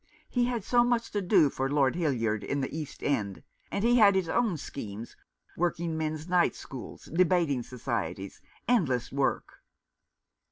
He had so much to do for Lord Hildyard in the East End ; and he had his own schemes — work men's night schools, debating societies — endless work.